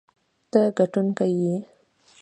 ته ګټونکی یې.